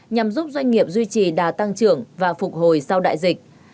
nhằm giúp doanh nghiệp duy trì đà tăng trưởng và phục hồi sau đại dịch